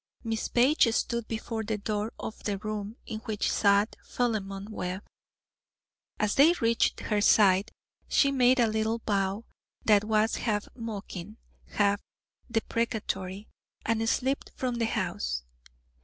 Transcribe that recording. Miss Page stood before the door of the room in which sat Philemon Webb. As they reached her side, she made a little bow that was half mocking, half deprecatory, and slipped from the house.